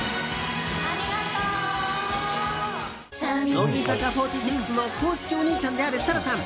乃木坂４６の公式お兄ちゃんである設楽さん